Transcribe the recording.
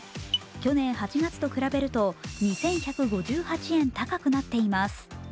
去年８月と比べると２１５８円高くなっています。